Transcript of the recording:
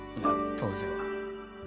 当時は。